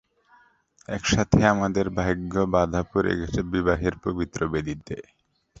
একসাথে আমাদের ভাগ্য বাধা পড়ে গেছে বিবাহের পবিত্র বেদিতে।